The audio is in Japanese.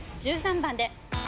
１３番で。